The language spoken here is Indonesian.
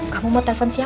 kamu mau telepon siapa